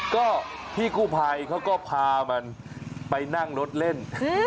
ก็พี่กู้ภัยเขาก็พามันไปนั่งรถเล่น